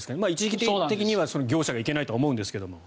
一義的には業者がいけないと思うんですけど。